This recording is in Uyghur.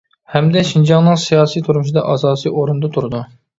ھەمدە شىنجاڭنىڭ سىياسىي تۇرمۇشىدا ئاساسىي ئورۇندا تۇرىدۇ.